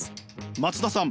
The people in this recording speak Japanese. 松田さん